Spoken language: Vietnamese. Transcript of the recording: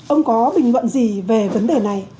ông có bình luận gì về vấn đề này